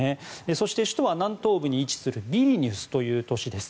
そして、首都は南東部に位置するビリニュスという都市です。